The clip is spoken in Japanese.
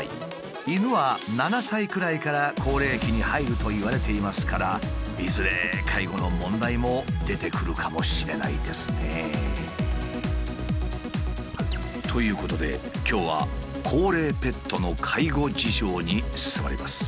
犬は７歳くらいから高齢期に入るといわれていますからいずれ介護の問題も出てくるかもしれないですね。ということで今日は高齢ペットの介護事情に迫ります。